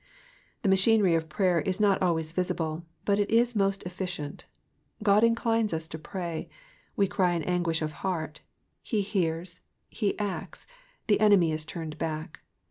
The machinery of prayer is not always visible, but it is most efficient. God inclines us to pray, we cry in anguish of heart, he heai*s, he acts, the enemy is turned back.